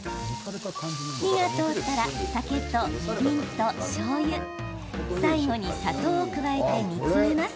火が通ったら酒とみりんと、しょうゆ最後に砂糖を加えて煮詰めます。